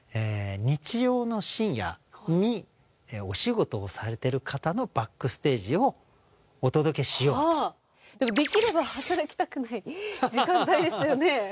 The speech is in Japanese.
日曜の深夜にお仕事をされてる方のバックステージをお届けしようとはあでもできれば働きたくない時間帯ですよね